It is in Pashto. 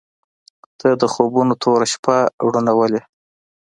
• ته د خوبونو توره شپه روڼولې.